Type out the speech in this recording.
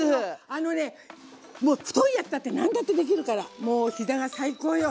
あのね太いやつだって何だってできるからもう膝が最高よ！